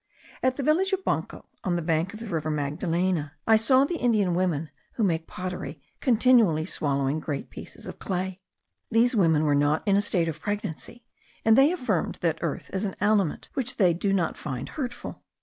At the village of Banco, on the bank of the river Magdalena, I saw the Indian women who make pottery continually swallowing great pieces of clay. These women were not in a state of pregnancy; and they affirmed that earth is an aliment which they do not find hurtful.